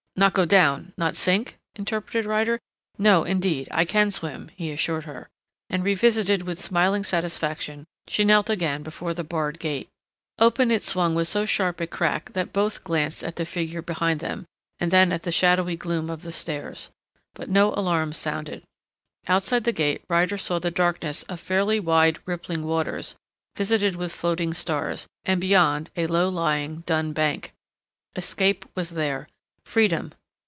"Not go down not sink?" interpreted Ryder. "No, indeed, I can swim," he assured her, and revisited with smiling satisfaction she knelt again before the barred gate. Open it swung with so sharp a crack that both glanced at the figure behind them, and then at the shadowy gloom of the stairs. But no alarm sounded. Outside the gate Ryder saw the darkness of fairly wide rippling waters, visited with floating stars, and beyond a low lying, dun bank. Escape was there. Freedom.